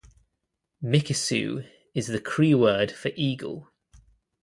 "Mikisew" is the Cree word for eagle.